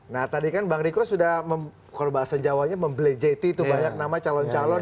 nah tadi kan bang riko sudah kalau bahasa jawanya membelejeti tuh banyak nama calon calon